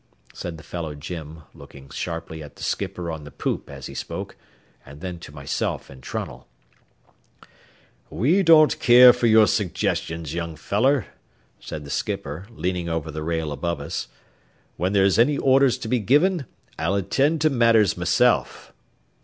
said the fellow Jim, looking sharply at the skipper on the poop as he spoke, and then to myself and Trunnell. "We don't keer for your suggestions, young feller," said the skipper, leaning over the rail above us. "When there's any orders to be given, I'll attend to matters myself."